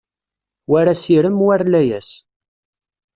War asirem, war layas